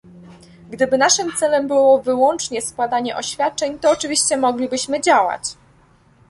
Gdyby naszym celem było wyłącznie składanie oświadczeń, to oczywiście mogliśmy działać